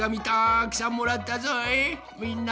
たくさんもらったぞい。